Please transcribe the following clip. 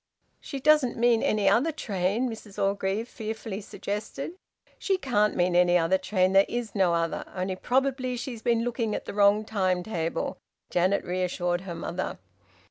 "She doesn't mean any other train?" Mrs Orgreave fearfully suggested. "She can't mean any other train. There is no other. Only probably she's been looking at the wrong time table," Janet reassured her mother.